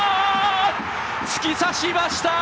突き刺しました！